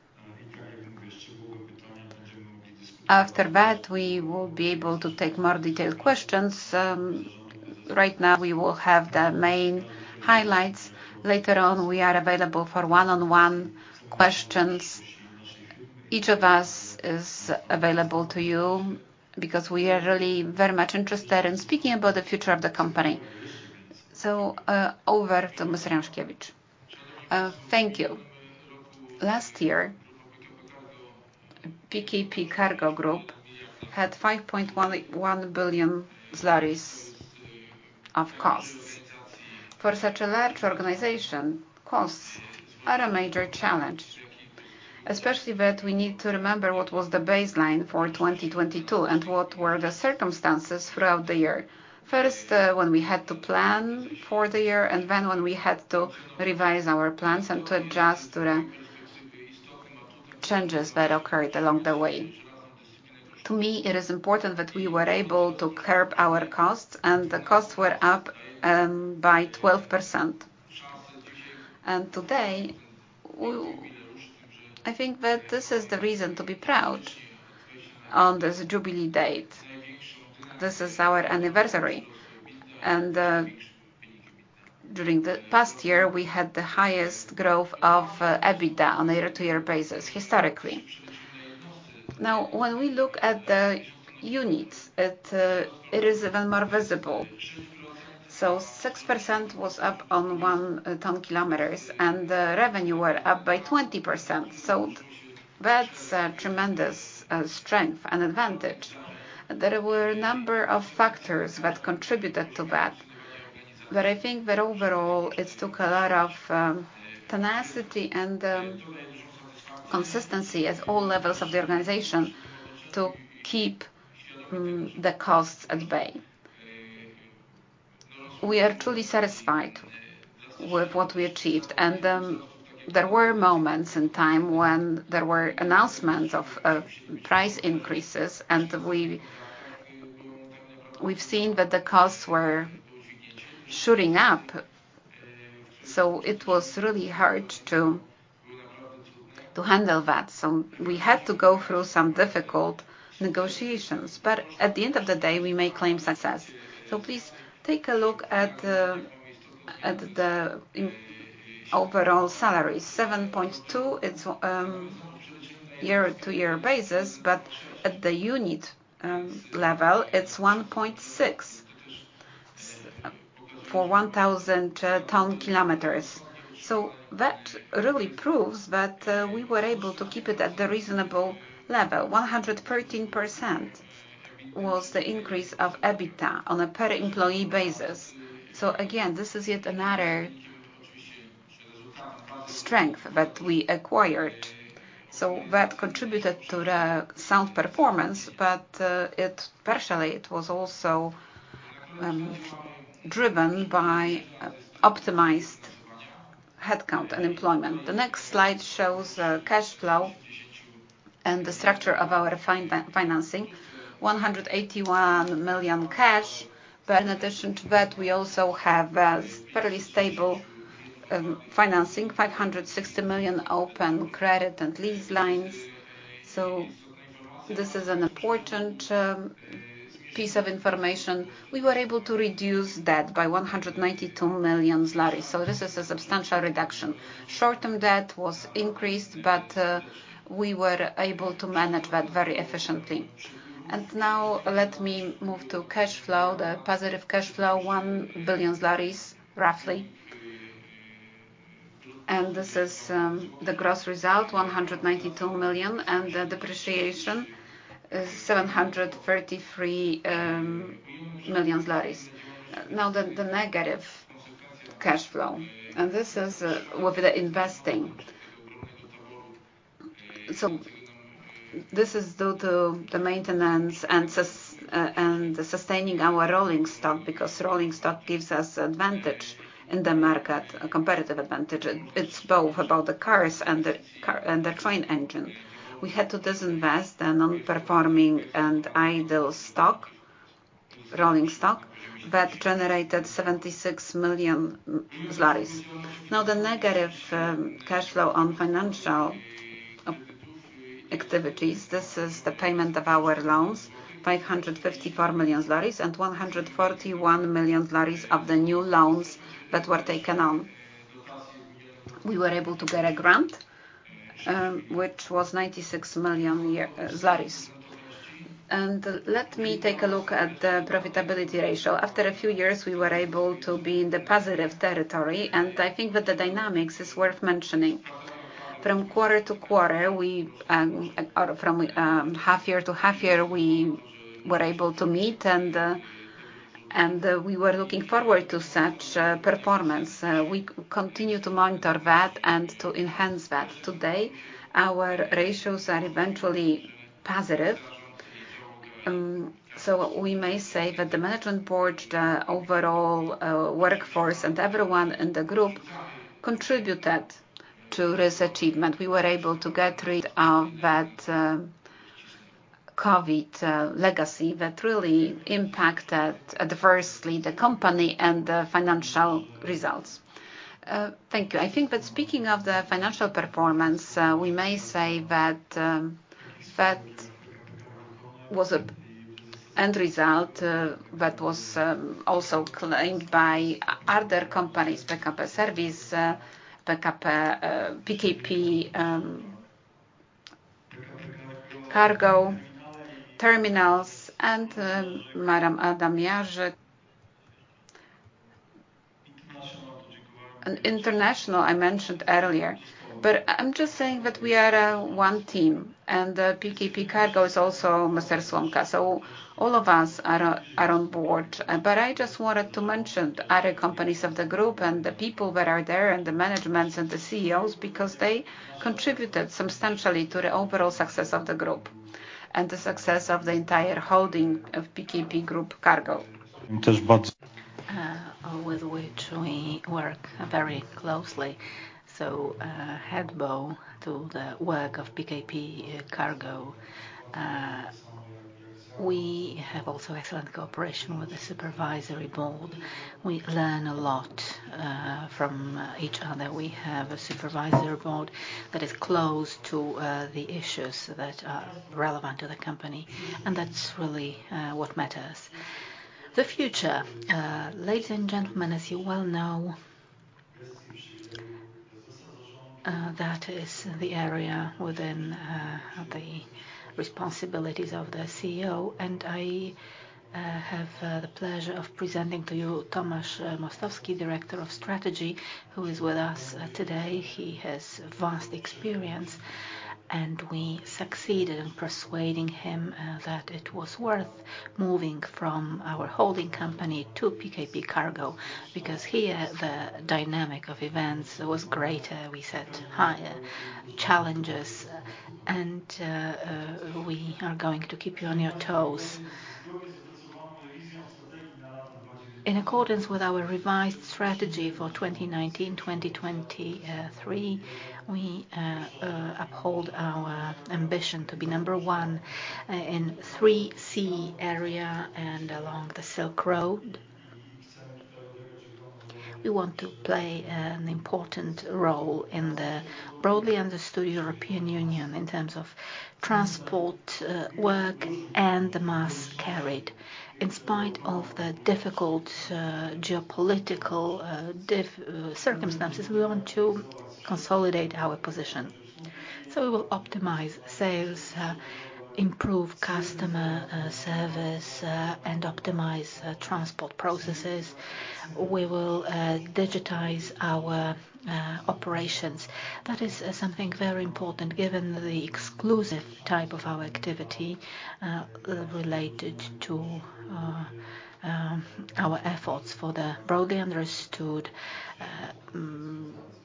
After that, we will be able to take more detailed questions. Right now, we will have the main highlights. Later on, we are available for one-on-one questions. Each of us is available to you because we are really very much interested in speaking about the future of the company. Over to Mr. Jankiewicz. Thank you. Last year, PKP CARGO Group had 5.11 billion of costs. For such a large organization, costs are a major challenge, especially that we need to remember what was the baseline for 2022 and what were the circumstances throughout the year. First, when we had to plan for the year and then when we had to revise our plans and to adjust to the changes that occurred along the way. To me, it is important that we were able to curb our costs, and the costs were up, by 12%. Today, I think that this is the reason to be proud on this jubilee date. This is our anniversary, during the past year, we had the highest growth of EBITDA on a year-to-year basis historically. When we look at the units, it is even more visible. 6% was up on one ton kilometers, and the revenue were up by 20%. That's a tremendous strength and advantage. There were a number of factors that contributed to that, but I think that overall it took a lot of tenacity and consistency at all levels of the organization to keep the costs at bay. We are truly satisfied with what we achieved. There were moments in time when there were announcements of price increases, we've seen that the costs were shooting up, it was really hard to handle that. We had to go through some difficult negotiations, but at the end of the day, we may claim success. Please take a look at the in-overall salary. 7.2, it's year-to-year basis, but at the unit level, it's 1.6 for 1,000 ton kilometers. That really proves that we were able to keep it at the reasonable level. 113% was the increase of EBITDA on a per employee basis. Again, this is yet another strength that we acquired. That contributed to the sound performance, but it partially it was also driven by optimized headcount and employment. The next slide shows cash flow and the structure of our financing. 181 million cash, in addition to that, we also have fairly stable financing, 560 million open credit and lease lines, so this is an important piece of information. We were able to reduce debt by 192 million zloty. This is a substantial reduction. Short-term debt was increased, we were able to manage that very efficiently. Now let me move to cash flow. The positive cash flow, 1 billion zlotys, roughly. This is the gross result, 192 million, and the depreciation is 733 million zlotys. Now, the negative cash flow, this is with the investing. This is due to the maintenance and sustaining our rolling stock because rolling stock gives us advantage in the market, a competitive advantage. It's both about the cars and the train engine. We had to disinvest a non-performing and idle stock, rolling stock, that generated 76 million. The negative cash flow on financial activities, this is the payment of our loans, 554 million, and 141 million of the new loans that were taken on. We were able to get a grant, which was 96 million year zlotys. Let me take a look at the profitability ratio. After a few years, we were able to be in the positive territory, and I think that the dynamics is worth mentioning. From quarter-to-quarter, we or from half year to half year, we were able to meet and and we were looking forward to such performance. We continue to monitor that and to enhance that. Today, our ratios are eventually positive, so we may say that the management board, the overall workforce and everyone in the group contributed to this achievement. We were able to get rid of that COVID legacy that really impacted adversely the company and the financial results. Thank you. I think that speaking of the financial performance, we may say that that was a end result that was also claimed by other companies, PKP CARGO SERVICE, PKP CARGO Terminale, and Madam Adam Jarzak. International, I mentioned earlier, but I'm just saying that we are one team. PKP CARGO is also Mr. Słomka. All of us are on board. I just wanted to mention the other companies of the group and the people that are there and the managements and the CEOs because they contributed substantially to the overall success of the group and the success of the entire holding of PKP Group CARGO. With which we work very closely. Hat bow to the work of PKP CARGO. We have also excellent cooperation with the supervisory board. We learn a lot from each other. We have a supervisory board that is close to the issues that are relevant to the company, and that's really what matters. The future. Ladies and gentlemen, as you well know. That is the area within the responsibilities of the CEO. I have the pleasure of presenting to you Tomasz Mostowski, Director of Strategy, who is with us today. He has vast experience, and we succeeded in persuading him that it was worth moving from our holding company to PKP CARGO because here the dynamic of events was greater. We set higher challenges, and we are going to keep you on your toes. In accordance with our revised strategy for 2019-2023, we uphold our ambition to be number one in Three Seas area and along the Silk Road. We want to play an important role in the broadly understood European Union in terms of transport, work and the mass carried. In spite of the difficult geopolitical circumstances, we want to consolidate our position. We will optimize sales, improve customer service, and optimize transport processes. We will digitize our operations. That is something very important given the exclusive type of our activity related to our efforts for the broadly understood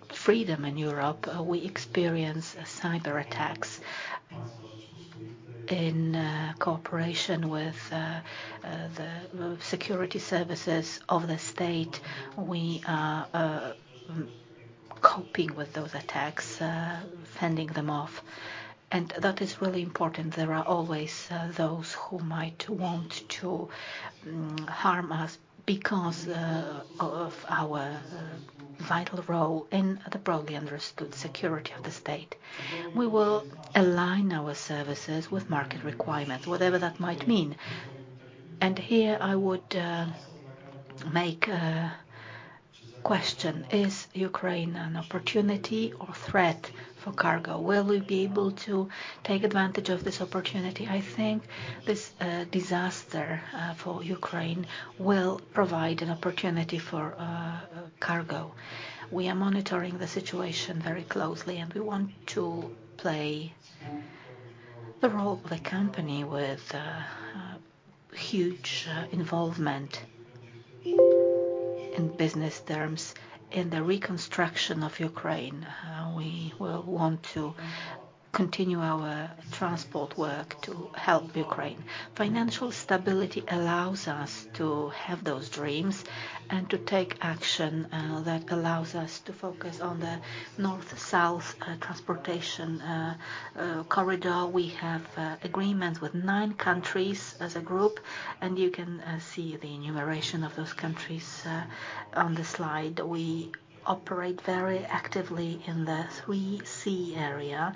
freedom in Europe. We experience cyber attacks. In cooperation with the security services of the state, we are coping with those attacks, fending them off, and that is really important. There are always those who might want to harm us because of our vital role in the broadly understood security of the state. We will align our services with market requirements, whatever that might mean. Here I would make a question: Is Ukraine an opportunity or threat for CARGO? Will we be able to take advantage of this opportunity? I think this disaster for Ukraine will provide an opportunity for CARGO. We are monitoring the situation very closely, and we want to play the role of the company with a huge involvement in business terms in the reconstruction of Ukraine. We will want to continue our transport work to help Ukraine. Financial fstability allows us to have those dreams and to take action that allows us to focus on the north-south transportation corridor. We have agreements with nine countries as a group. You can see the enumeration of those countries on the slide. We operate very actively in the Three Seas area.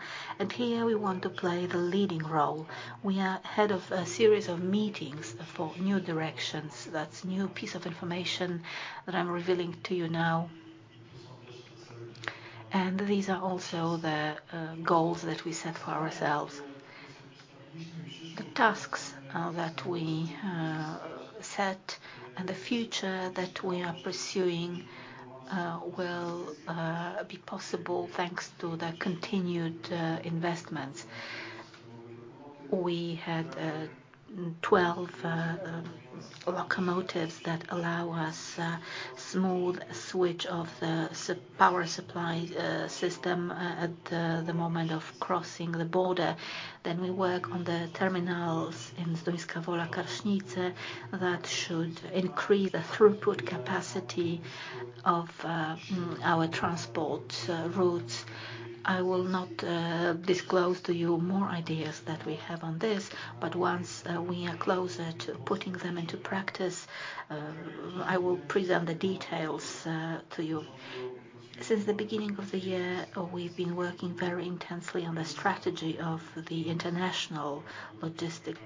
Here we want to play the leading role. We are ahead of a series of meetings for new directions. That's new piece of information that I'm revealing to you now. These are also the goals that we set for ourselves. The tasks that we set and the future that we are pursuing will be possible thanks to the continued investments. We had 12 locomotives that allow us smooth switch of the power supply system at the moment of crossing the border. We work on the terminals in Zduńska Wola Karsznice that should increase the throughput capacity of our transport routes. I will not disclose to you more ideas that we have on this, but once we are closer to putting them into practice, I will present the details to you. Since the beginning of the year, we've been working very intensely on the strategy of the international logistics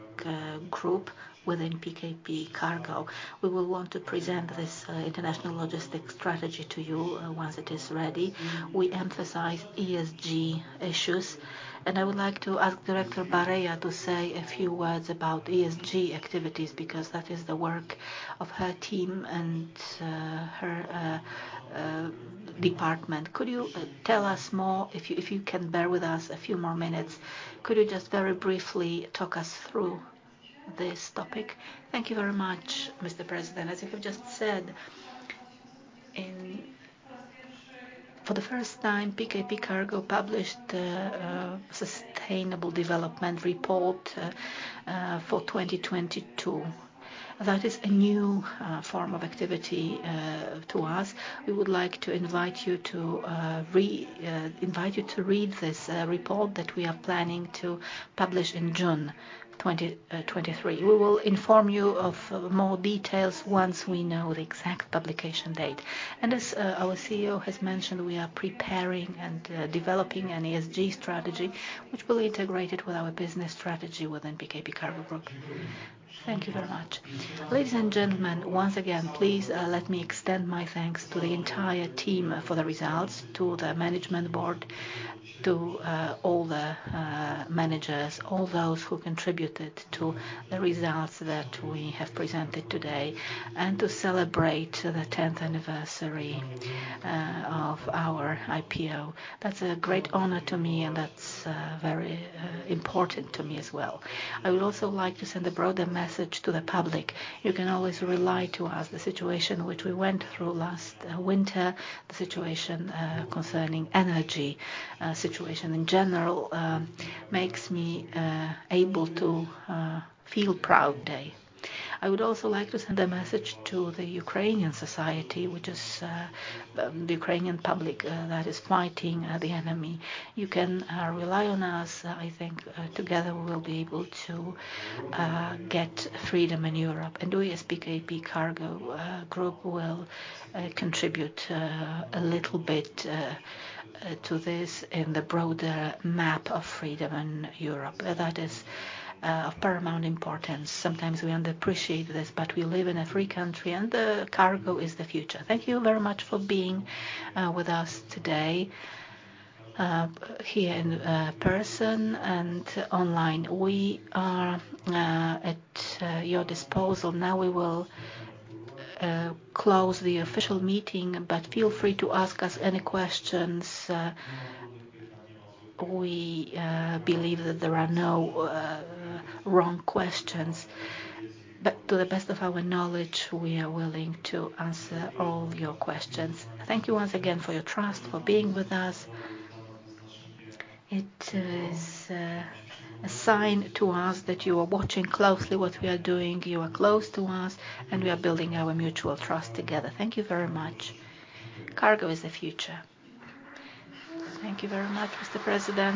group within PKP CARGO. We will want to present this international logistics strategy to you once it is ready. We emphasize ESG issues, and I would like to ask Director Bareja to say a few words about ESG activities because that is the work of her team and her department. Could you tell us more? If you can bear with us a few more minutes, could you just very briefly talk us through this topic? Thank you very much, Mr. President. As you have just said, for the first time, PKP CARGO published a sustainable development report for 2022. That is a new form of activity to us. We would like to invite you to read this report that we are planning to publish in June 2023. We will inform you of more details once we know the exact publication date. As our CEO has mentioned, we are preparing and developing an ESG strategy which will integrate it with our business strategy within PKP CARGO Group. Thank you very much. Ladies and gentlemen, once again, please let me extend my thanks to the entire team for the results, to the management board, to all the managers, all those who contributed to the results that we have presented today, and to celebrate the tenth anniversary of our IPO. That's a great honor to me, and that's very important to me as well. I would also like to send a broader message to the public. You can always rely to us. The situation which we went through last winter, the situation concerning energy, situation in general, makes me able to feel proud day. I would also like to send a message to the Ukrainian society, which is, the Ukrainian public that is fighting the enemy. You can rely on us. I think together we will be able to get freedom in Europe. We as PKP CARGO Group will contribute a little bit to this in the broader map of freedom in Europe. That is of paramount importance. Sometimes we underappreciate this, but we live in a free country and the Cargo is the future. Thank you very much for being with us today here in person and online. We are at your disposal. Now we will close the official meeting, but feel free to ask us any questions. We believe that there are no wrong questions. To the best of our knowledge, we are willing to answer all your questions. Thank you once again for your trust, for being with us. It is a sign to us that you are watching closely what we are doing. You are close to us, and we are building our mutual trust together. Thank you very much. Cargo is the future. Thank you very much, Mr. President.